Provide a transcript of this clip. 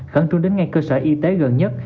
khẳng trung đến ngay cơ sở y tế gần nhất